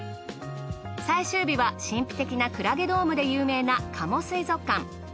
最終日は神秘的なクラゲドームで有名な加茂水族館。